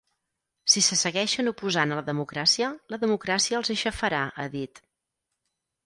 Si se segueixen oposant a la democràcia, la democràcia els aixafarà, ha dit.